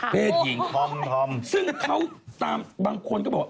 เพศหญิงซึ่งเขาตามบางคนก็บอก